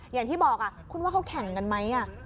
อย่างที่บอกคุณว่าเขาแข่งกันไหม